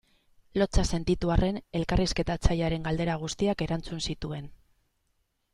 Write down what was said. Lotsa sentitu arren elkarrizketatzailearen galdera guztiak erantzun zituen.